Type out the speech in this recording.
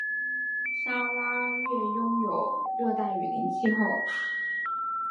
砂拉越拥有热带雨林气候。